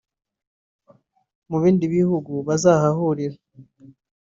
mubindi bihugu bazahahurira